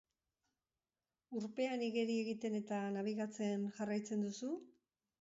Urpean igeri egiten eta nabigatzen jarraitzen duzu?